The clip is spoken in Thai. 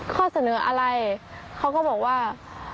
ข้อเสนออะไรเขาก็บอกว่า